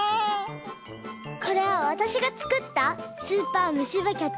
これはわたしがつくったスーパーむしばキャッチドリル！